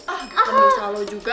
ah bukan dosa lo juga